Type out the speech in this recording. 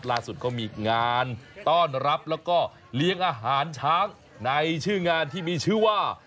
ล่าสุดก็มีงานต้อนรับแล้วก็เลี้ยงอาหารช้างในชื่องานที่มีชื่อว่า